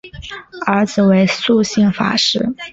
儿子为素性法师。